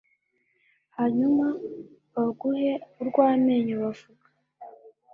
hanyuma baguhe urw'amenyo bavug